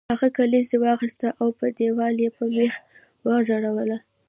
هغې کلیزه واخیسته او په دیوال یې په میخ وځړوله